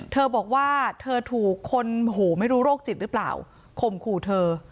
เธอบอกว่าเธอถูกคนโหไม่รู้โรคจิตหรือเปล่าข่มขู่เธอ